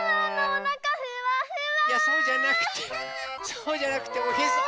そうじゃなくておへそ。